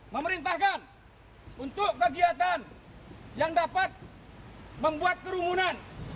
memerintahkan untuk kegiatan yang dapat membuat kerumunan